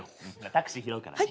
タクシー拾うから。